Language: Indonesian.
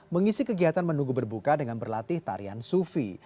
mengisi kegiatan menunggu berbuka dengan berlatih tarian sufi